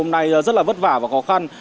trong ngày hôm nay rất là vất vả và khó khăn